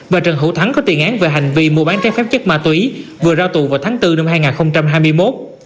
và trần hữu thắng có tiền án về hành vi mua bán trái phép chất ma túy vừa ra tù vào tháng bốn năm hai nghìn hai mươi một